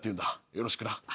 よろしくな。